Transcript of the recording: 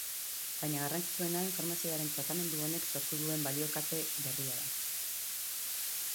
Baina garrantzitsuena informazioaren tratamendu honek sortu duen balio-kate berria da.